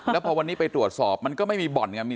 แล้วพอวันนี้ไปตรวจสอบมันก็ไม่มีบ่อนไงมี